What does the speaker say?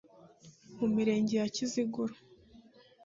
mu mirenge ya Kiziguro